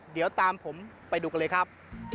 เดี๋ยวตามผมไปดูกันเลยครับ